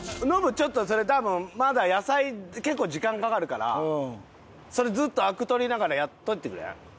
ちょっとそれ多分まだ野菜結構時間かかるからそれずっとアク取りながらやっといてくれん？